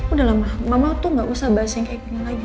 udah lama mama tuh gak usah bahasa yang kayak gini lagi